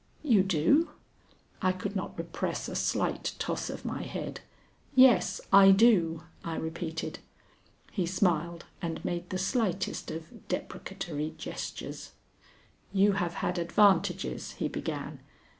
"You do?" I could not repress a slight toss of my head. "Yes, I do," I repeated. He smiled and made the slightest of deprecatory gestures. "You have had advantages " he began.